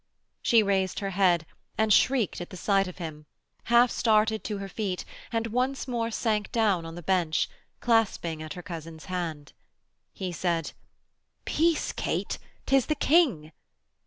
She raised her head and shrieked at the sight of him, half started to her feet, and once more sank down on the bench, clasping at her cousin's hand. He said: 'Peace, Kate, it is the King.'